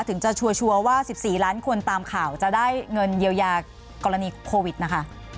ถึงจะชัวร์ว่า๑๔ล้านคนตามข่าวจะได้เงินเยียวยากรณีโควิดนะคะ